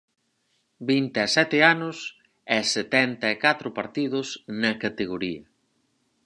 Vinte e sete anos e setenta e catro partidos na categoría.